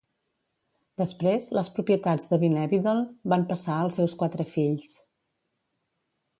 Després, les propietats de Winebiddle van passar als seus quatre fills.